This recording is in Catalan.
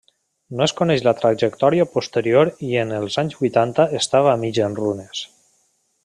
No es coneix la trajectòria posterior i en els anys vuitanta estava mig en runes.